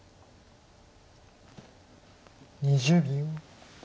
２０秒。